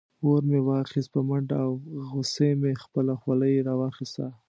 اور مې واخیست په منډه او غصې مې خپله خولۍ راواخیسته.